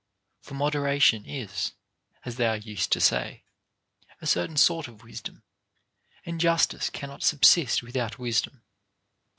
For moderation is (as they are used to say) a certain sort of wisdom ; and justice cannot subsist with out wisdom.